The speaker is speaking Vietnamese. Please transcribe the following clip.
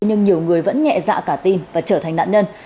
nhưng nhiều người vẫn nhẹ dạ cả tin và trở thành nạn nhân